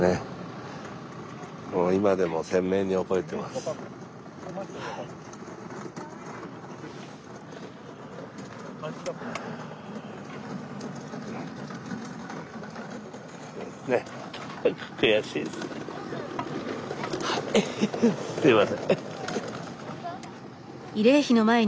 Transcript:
すみません。